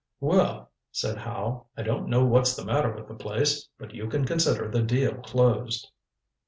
"Well," said Howe, "I don't know what's the matter with the place, but you can consider the deal closed."